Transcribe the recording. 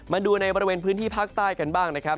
มาดูในบริเวณพื้นที่ภาคใต้กันบ้างนะครับ